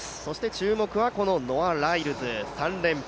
注目はノア・ライルズ、３連覇。